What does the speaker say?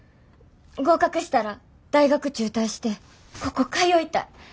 合格したら大学中退してここ通いたい。